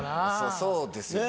そうですよね。